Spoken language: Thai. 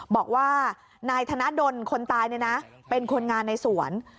บอกว่านายธนดลคนตายเป็นคนงานในสวน